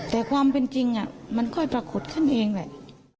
แต่ความเป็นจริงมันค่อยปรากฏขึ้นเองแหละ